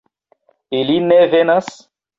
Ili ne venas?